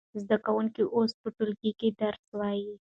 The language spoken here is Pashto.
زده کوونکي اوس په ټولګي کې درس وايي.